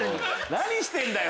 何してんだよ！